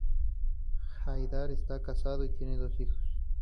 Haidar está casado y tiene dos hijos.